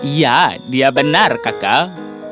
iya dia benar kakak